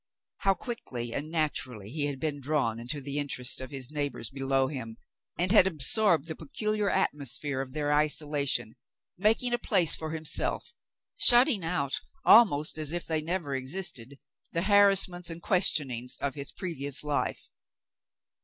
How quicklj^ and naturally he had been drawn into the interests of his neighbors below him, and had absorbed the peculiar atmosphere of their isolation, making a place for himself, shutting out almost as if they had never existed the harassments and questionings of his previous life.